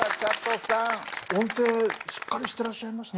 音程しっかりしてらっしゃいました。